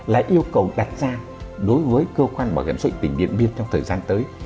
là yêu cầu đặt ra đối với cơ quan bảo hiểm xã hội tỉnh điện biên trong thời gian tới